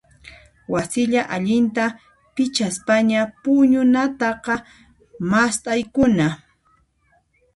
Wasilla allinta pichaspaña puñunataqa mast'aykuna.